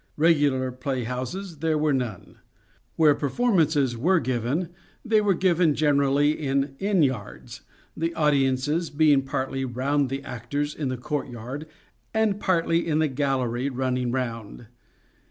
Regular playhouses there were none. Where performances were given they were given generally in inn yards, the audiences being partly round the actors in the courtyard and partly in the gallery running round.